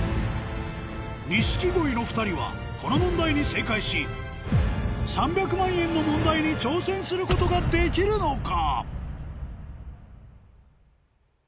錦鯉の２人はこの問題に正解し３００万円の問題に挑戦することができるのか？